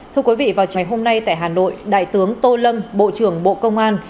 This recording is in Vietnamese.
thưa quý vị vào ngày hôm nay tại hà nội đại tướng tô lâm bộ trưởng bộ công an